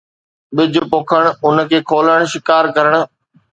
ٻج پوکڻ ، ان کي کولڻ ، شڪار ڪرڻ